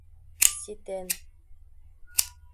Ситен.